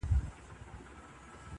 دا زړه بېړی به خامخا ډوبېږي,